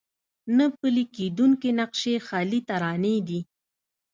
نه پلي کېدونکي نقشې خيالي ترانې دي.